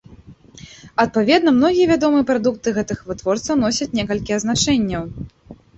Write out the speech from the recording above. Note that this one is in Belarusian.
Адпаведна, многія вядомыя прадукты гэтых вытворцаў носяць некалькі азначэнняў.